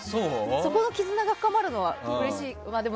そこの絆が深まるのはうれしい。